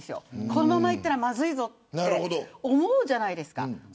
このままいったら、まずいぞと思うじゃないですか。